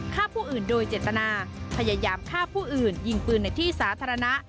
ฆ่าผู้อื่นโดยเจตนาพยายามฆ่าผู้อื่นยิงปืนในที่สาธารณะ